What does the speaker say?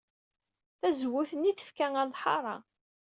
Tazewwut-nni tefka ɣer lḥaṛa.